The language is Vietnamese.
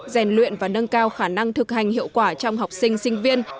rèn luyện và nâng cao khả năng thực hành hiệu quả trong học sinh sinh viên